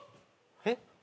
えっ？